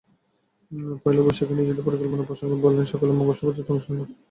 পয়লা বৈশাখে নিজেদের পরিকল্পনা প্রসঙ্গে বললেন, সকালে মঙ্গল শোভাযাত্রায় অংশ নেবেন।